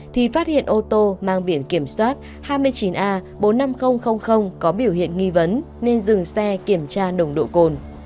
thì phát hiện ô tô mang biển kiểm soát hai mươi chín a bốn mươi năm nghìn có biểu hiện nghi vấn nên dừng xe kiểm tra nồng độ cồn